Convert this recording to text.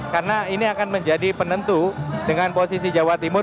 karena ini akan menjadi penentu dengan posisi jawa timur